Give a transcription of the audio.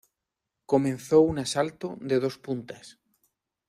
Comenzó un asalto de dos puntas.